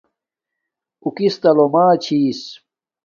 اُو کس تا لوما چھس